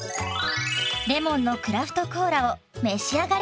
レモンのクラフトコーラを召し上がれ。